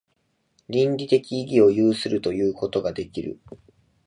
倫理的意義を有するということができる。